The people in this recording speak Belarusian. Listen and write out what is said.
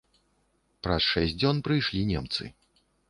Праз шэсць дзён прыйшлі немцы.